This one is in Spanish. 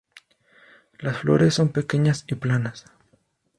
Las flores son pequeñas y planas.